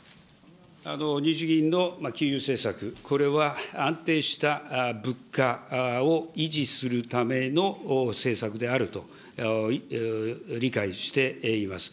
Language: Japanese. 日銀の金融政策、これは安定した物価を維持するための政策であると理解しています。